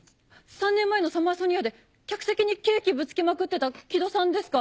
３年前のサマーソニアで客席にケーキぶつけまくってたキドさんですか？